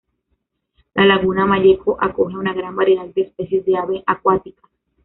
La Laguna Malleco acoge a una gran variedad de especies de aves acuáticas.